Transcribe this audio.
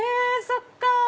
そっか。